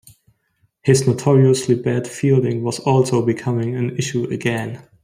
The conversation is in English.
His notoriously bad fielding was also becoming an issue again.